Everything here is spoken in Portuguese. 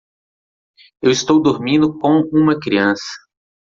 Eu estou dormindo com uma criança.